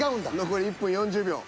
残り１分４０秒。